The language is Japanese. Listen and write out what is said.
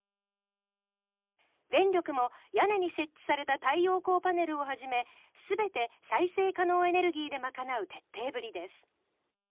電力も屋根に設置された太陽光パネルをはじめ全て再生可能エネルギーで賄う徹底ぶりです。